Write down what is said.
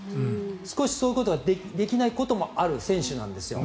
少しそういうことができないこともある選手なんですよ。